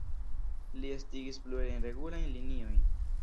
Li estigis plurajn regulajn liniojn.